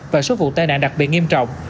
và số vụ tai nạn đặc biệt nghiêm trọng